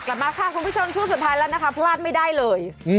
กลับมาค่ะคุณผู้ชมช่วงสุดท้ายแล้วนะคะพลาดไม่ได้เลย